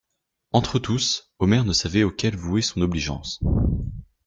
Entre eux tous, Omer ne savait auquel vouer son obligeance.